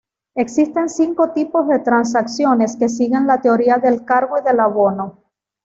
Existen cinco tipos de transacciones que siguen la teoría del cargo y del abono.